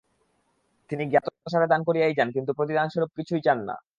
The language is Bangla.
তিনি জ্ঞাতসারে দান করিয়াই যান, কিন্তু প্রতিদানস্বরূপ কিছুই চান না।